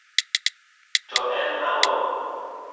To en ang'o?